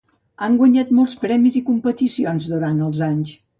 Han guanyat molts premis i competicions durant els anys.